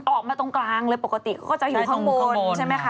ออกมาตรงกลางเลยปกติก็จะอยู่ข้างบนใช่ไหมคะ